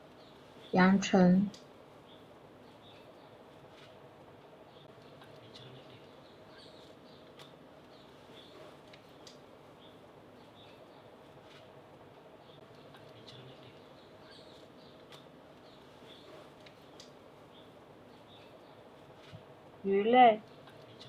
奇鳗为康吉鳗科奇鳗属的鱼类。